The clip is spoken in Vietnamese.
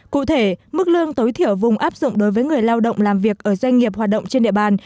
cụ thể mức lương tối thiểu vùng áp dụng đối với người lao động làm việc ở doanh nghiệp hoạt động trên địa bàn